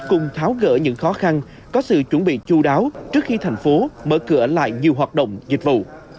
cùng tháo gỡ những khó khăn có sự chuẩn bị chú đáo trước khi thành phố mở cửa lại nhiều hoạt động dịch vụ